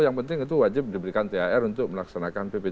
yang penting itu wajib diberikan thr untuk melaksanakan ppd